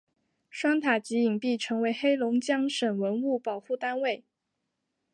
双塔及影壁成为黑龙江省文物保护单位。